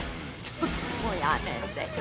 ちょっともうやめてよ。